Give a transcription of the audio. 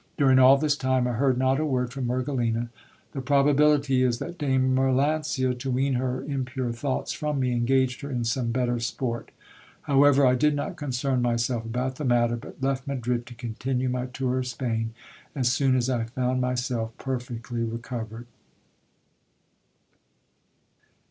During all this time, I heard not a word from Mergelina. The probability is that Dame Melancia, to wean her impure thoughts from me, engaged her in some better sport. However, I did not concern myself about the matter ; but left Madrid to continue my tour of Spain, as soon as I found myself perfectly recovered.